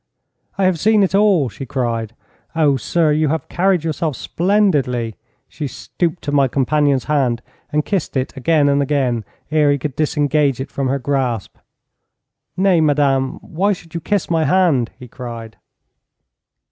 'I have seen it all,' she cried. 'Oh, sir, you have carried yourself splendidly.' She stooped to my companion's hand, and kissed it again and again ere he could disengage it from her grasp. 'Nay, madame, why should you kiss my hand?' he cried.